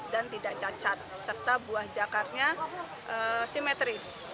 dan tidak cacat serta buah jakarnya simetris